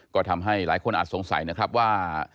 ก็ทำให้หลายคนอาจสงสัยนะครับว่า